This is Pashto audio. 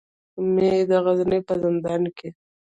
مې د غزني په زندان کې.